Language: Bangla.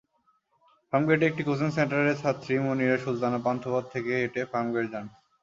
ফার্মগেটে একটি কোচিং সেন্টারের ছাত্রী মনিরা সুলতানা পান্থপথ থেকে হেঁটে ফার্মগেট যান।